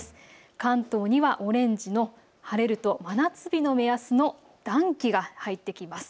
関東にはオレンジの晴れると真夏日の目安の暖気が入ってきます。